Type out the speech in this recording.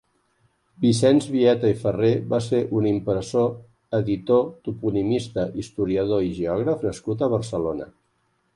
Vicenç Biete i Farré va ser un impressor, editor, toponimista, historiador i geògraf nascut a Barcelona.